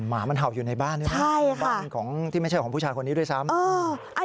หมามันเห่าอยู่ในบ้านด้วยนะบ้านของที่ไม่ใช่ของผู้ชายคนนี้ด้วยซ้ำ